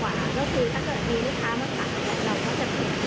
เพราะว่ารุ่นรักษาเน่นของข้าวหมายค่ะ